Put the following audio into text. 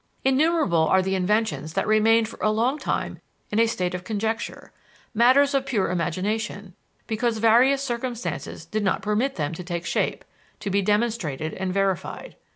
Innumerable are the inventions that remained for a long time in a state of conjecture, matters of pure imagination, because various circumstances did not permit them to take shape, to be demonstrated and verified.